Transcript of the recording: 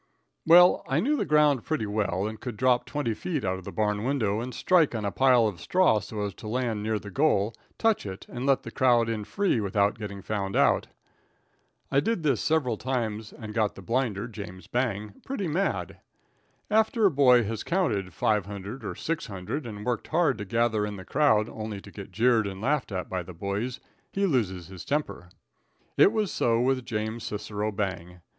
Well, I knew the ground pretty well, and could drop twenty feet out of the barn window and strike on a pile of straw so as to land near the goal, touch it, and let the crowd in free without getting found out. I did this several times and got the blinder, James Bang, pretty mad. After a boy has counted 500 or 600, and worked hard to gather in the crowd, only to get jeered and laughed at by the boys, he loses his temper. It was so with James Cicero Bang.